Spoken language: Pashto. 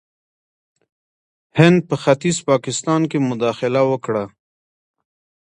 هند په ختیځ پاکستان کې مداخله وکړه.